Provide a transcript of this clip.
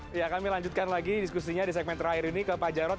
kita kata lebih lanjutkan lagi diskusinya di segmen terakhir ini ke pak jarod